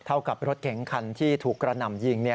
กับรถเก๋งคันที่ถูกกระหน่ำยิง